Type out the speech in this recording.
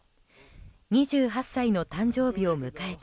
２８歳の誕生日を迎えた